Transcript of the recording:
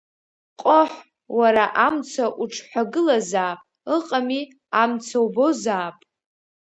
Ҟоҳ, уара амца уҽҳәагылазаап, ыҟами, амца убозаап!